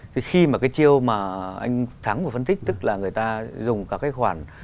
nhưng mà cái chiêu mà anh thắng vừa phân tích tức là người ta dùng các cái khoản